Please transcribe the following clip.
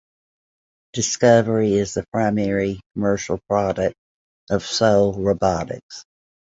Discovery is the primary commercial product of Seoul Robotics.